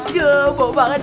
aduh bau banget nek